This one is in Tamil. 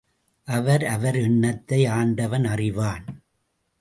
அவர் அவர் எண்ணத்தை ஆண்டவன் அறிவான்.